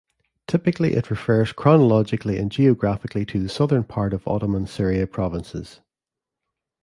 Typically it refers chronologically and geographically to the southern part of Ottoman Syria provinces.